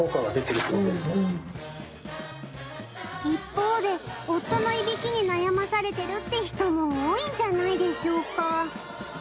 一方で夫のいびきに悩まされてるって人も多いんじゃないでしょうか。